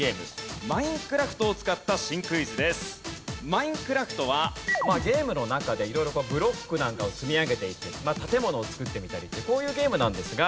『マインクラフト』はゲームの中で色々とブロックなんかを積み上げていって建物を造ってみたりこういうゲームなんですが。